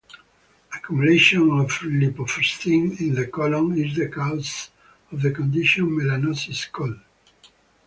Accumulation of lipofuscin in the colon is the cause of the condition melanosis coli.